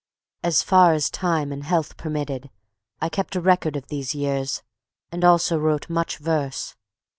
As far as time and health permitted, I kept a record of these years, and also wrote much verse.